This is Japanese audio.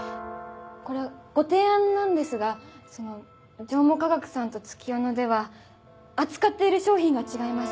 これはご提案なんですがその上毛化学さんと月夜野では扱っている商品が違います。